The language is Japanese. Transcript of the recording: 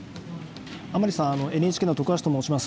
甘利さん、ＮＨＫの徳橋と申します。